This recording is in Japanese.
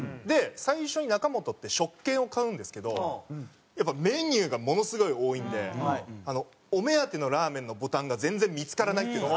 最初に中本って食券を買うんですけどやっぱメニューがものすごい多いんでお目当てのラーメンのボタンが全然見付からないっていう。